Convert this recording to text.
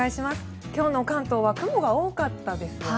今日の関東は雲が多かったですよね。